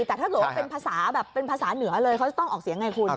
แต่ถ้าเกิดว่าเป็นภาษาเหนือเลยเขาจะต้องออกเสียอย่างไรคุณ